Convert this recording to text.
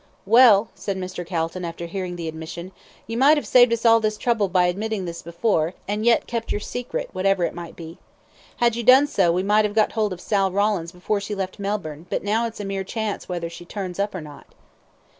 "Well," said Mr. Calton, after hearing the admission, "you might have saved us all this trouble by admitting this before, and yet kept your secret, whatever it may be. Had you done so, we might have got hold of Sal Rawlins before she left Melbourne; but now it's a mere chance whether she turns up or not."